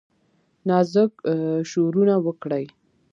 نازک شورونه وکړي